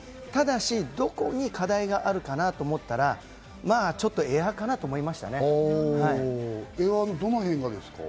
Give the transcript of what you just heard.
ただし、どこに課題があるかなと思ったら、ちょっとエアかなと思いました。